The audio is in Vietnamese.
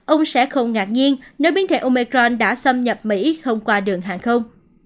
ông sẽ không ngạc nhiên nếu biến thể omecron đã xâm nhập mỹ không qua đường hàng không